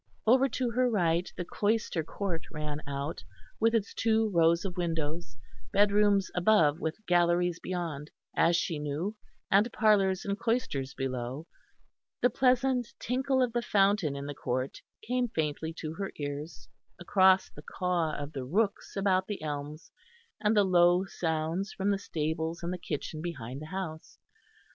Over to her right the cloister court ran out, with its two rows of windows, bedrooms above with galleries beyond, as she knew, and parlours and cloisters below; the pleasant tinkle of the fountain in the court came faintly to her ears across the caw of the rooks about the elms and the low sounds from the stables and the kitchen behind the house.